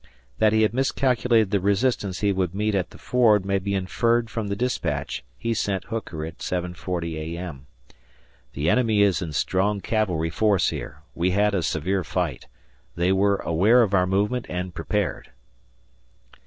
That he had miscalculated the resistance he would meet at the ford may be inferred from the dispatch he sent Hooker at 7.40 A.M., "The enemy is in strong cavalry force here. We had a severe fight. They were aware of our movement and prepared."